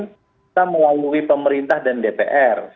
kita melalui pemerintah dan dpr